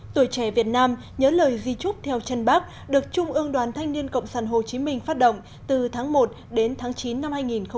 tuổi trẻ việt nam nhớ lời di trúc theo chân bác được trung ương đoàn thanh niên cộng sản hồ chí minh phát động từ tháng một đến tháng chín năm hai nghìn hai mươi